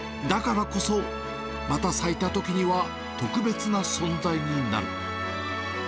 だからこそ、また咲いたときには特別な存在になる。